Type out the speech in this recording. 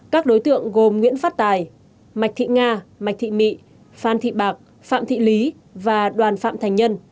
các đối tượng gồm nguyễn phát tài mạch thị nga mạc thị mị phan thị bạc phạm thị lý và đoàn phạm thành nhân